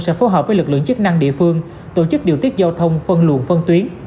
sẽ phối hợp với lực lượng chức năng địa phương tổ chức điều tiết giao thông phân luồn phân tuyến